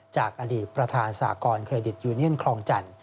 จากอดีตประธานสากรเครดิตยูเนียนคลองจันทร์